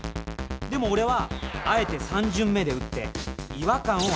でも俺はあえて３巡目で撃って違和感を与えた。